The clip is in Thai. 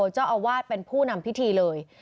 เจ้าอาวาสเป็นผู้นำพิธีเลย